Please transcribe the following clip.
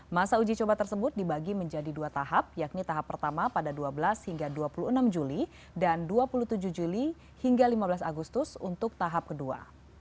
masa uji coba tersebut dibagi menjadi dua tahap yakni tahap pertama pada dua belas hingga dua puluh enam juli dan dua puluh tujuh juli hingga lima belas agustus untuk tahap kedua